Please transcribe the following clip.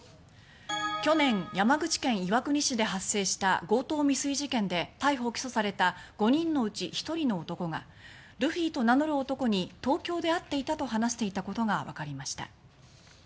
去年、山口県岩国市で発生した強盗未遂事件で逮捕・起訴された５人のうち１人の男がルフィと名乗る男に東京で会っていたと話していたことがわかりました。